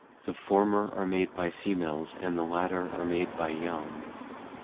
The former are made by females and the latter are made by young.